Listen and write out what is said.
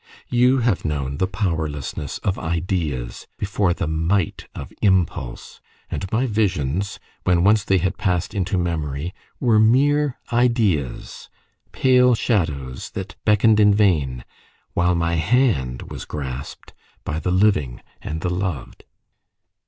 You have known the powerlessness of ideas before the might of impulse; and my visions, when once they had passed into memory, were mere ideas pale shadows that beckoned in vain, while my hand was grasped by the living and the loved.